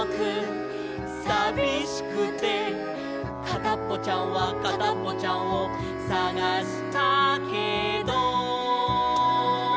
「かたっぽちゃんはかたっぽちゃんをさがしたけど」